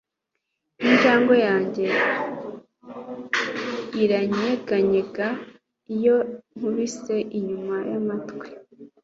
Injangwe yanjye iranyeganyega iyo nkubise inyuma yamatwi